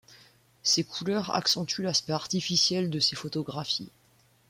Ces couleurs accentuent l'aspect artificiel de ses photographies.